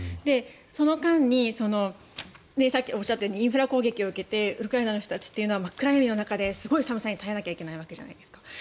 その間にさっきおっしゃったようにインフラ攻撃を受けてウクライナの人たちというのは真っ暗闇の中ですごい寒さに耐えなきゃいけないわけじゃないですか。